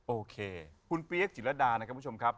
โอเคคุณเปี๊ยกจิลดานะครับคุณผู้ชมครับ